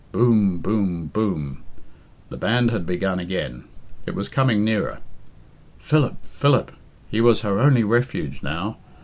Boom! Boom! Boom! The band had begun again. It was coming nearer. Philip! Philip! He was her only refuge now.